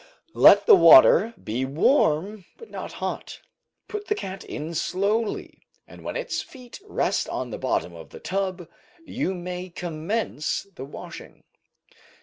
Let the water be warm but not hot, put the cat in slowly, and when its feet rest on the bottom of the tub, you may commence the washing.